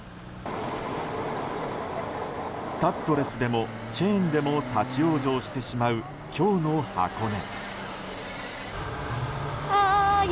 スタッドレスでもチェーンでも立ち往生してしまう今日の箱根。